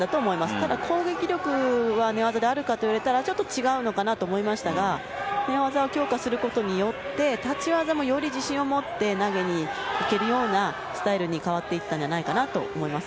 ただ、攻撃力は寝技であるかといえばちょっと違うのかなと思いましたが寝技を強化することによって立ち技もより自信を持って投げに行けるようなスタイルに変わっていったんじゃないかなと思います。